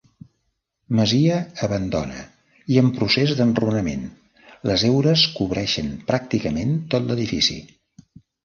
Masia abandona i en procés d'enrunament; les heures cobreixen pràcticament tot l'edifici.